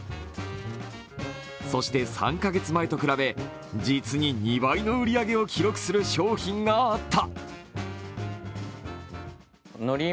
そして３カ月前と比べ実に２倍の売り上げを記録する商品があった。